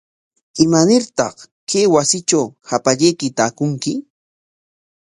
¿Imanartaq kay wasitraw hapallayki taakunki?